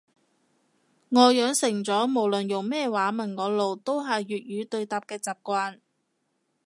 我養成咗無論用咩話問我路都係粵語對答嘅習慣